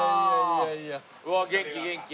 うわあ元気元気。